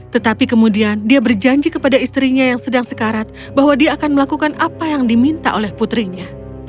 tetapi kemudian dia berjanji kepada istrinya yang sedang sekarat bahwa dia akan melakukan apa yang diminta oleh putrinya